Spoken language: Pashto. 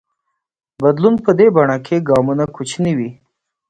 بدلون په دې بڼه کې ګامونه کوچني وي.